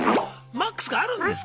マックスがあるんですか？